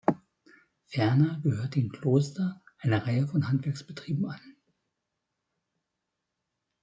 Ferner gehörte dem Kloster eine Reihe von Handwerksbetrieben an.